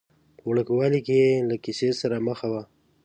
په وړوکوالي کې یې له کیسې سره مخه وه.